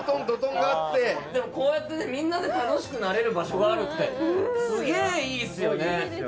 こうやってみんなで楽しくなれる場所があるってすげえいいっすよね。